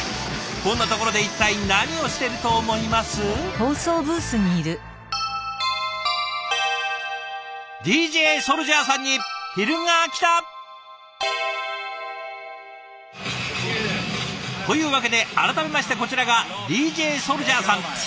こんなところで一体何をしてると思います？というわけで改めましてこちらがＤＪＳＯＵＬＪＡＨさん。